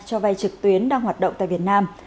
cho vay trực tuyến đang hoạt động tại việt nam